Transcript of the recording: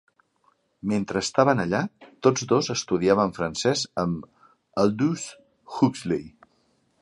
Mentre estaven allà, tots dos estudiaven francès amb Aldous Huxley.